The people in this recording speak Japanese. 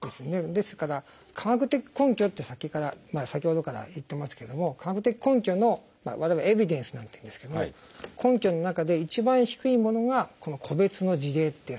ですから科学的根拠って先ほどから言ってますけども科学的根拠の我々は「エビデンス」なんて言うんですけども根拠の中で一番低いものがこの個別の事例ってやつなんです。